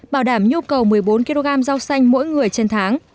bảo đảm nhu cầu một mươi bốn kg rau xanh mỗi người trên tháng